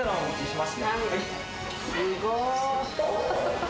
すごい。